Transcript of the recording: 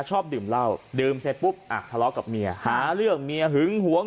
ชอบดื่มเหล้าดื่มเสร็จปุ๊บอ่ะทะเลาะกับเมียหาเรื่องเมียหึงหวง